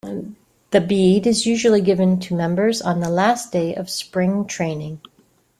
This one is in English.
The bead is usually given to members on the last day of spring training.